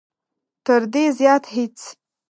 تر دې زیات هېڅ.